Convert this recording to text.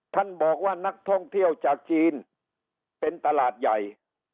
ท่านบอกว่านักท่องเที่ยวจากจีนเป็นตลาดใหญ่